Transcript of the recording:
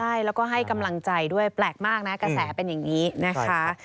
ใช่แล้วก็ให้กำลังใจด้วยแปลกมากนะกระแสเป็นอย่างนี้นะคะ